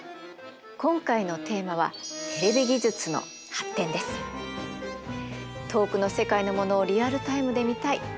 今回のテーマは遠くの世界のものをリアルタイムで見たい。